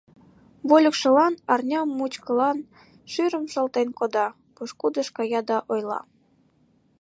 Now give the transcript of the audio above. Вольыкшылан арня мучкылан шӱрым шолтен кода, пошкудыш кая да ойла: